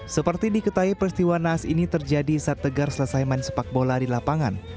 seperti diketahui peristiwa naas ini terjadi saat tegar selesai main sepak bola di lapangan